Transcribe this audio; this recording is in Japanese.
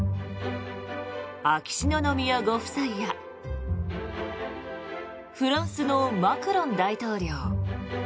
秋篠宮ご夫妻やフランスのマクロン大統領